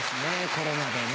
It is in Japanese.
コロナでね。